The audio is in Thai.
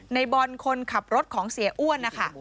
ในบอลคนขับรถของเสียอ้วนนะคะ